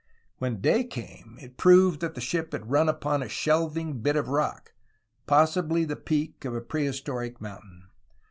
When day came it proved that the ship had run upon a shelving bit of rock, possibly the peak of a prehistoric mountain.